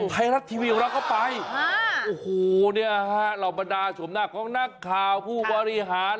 ไทยรัฐทีวีของเราก็ไปโอ้โหเนี่ยฮะเหล่าบรรดาชมหน้าของนักข่าวผู้บริหาร